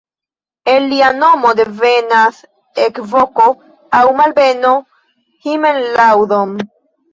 El lia nomo devenas ekvoko aŭ malbeno "himmellaudon!